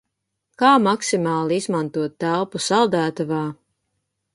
Kā maksimāli izmantot telpu saldētavā?